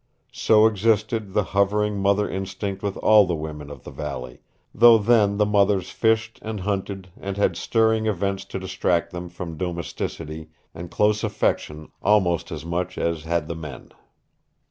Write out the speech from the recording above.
So existed the hovering mother instinct with all the women of the valley, though then the mothers fished and hunted and had stirring events to distract them from domesticity and close affection almost as much as had the men.